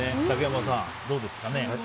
竹山さん、どうですかね？